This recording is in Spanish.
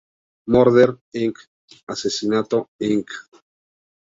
Murder, Inc., Asesinato, Inc.